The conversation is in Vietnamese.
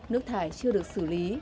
nước thải chưa được xử lý